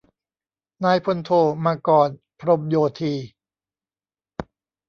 นายพลโท มังกร พรหมโยธี